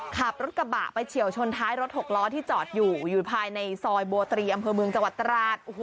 ขับรถกระบะไปเฉียวชนท้ายรถหกล้อที่จอดอยู่อยู่ภายในซอยโบตรีอำเภอเมืองจังหวัดตราด